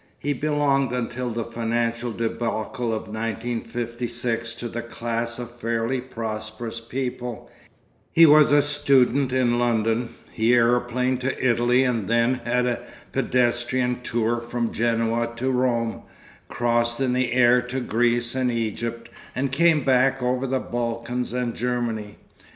He belonged until the financial débâcle of 1956 to the class of fairly prosperous people, he was a student in London, he aeroplaned to Italy and then had a pedestrian tour from Genoa to Rome, crossed in the air to Greece and Egypt, and came back over the Balkans and Germany.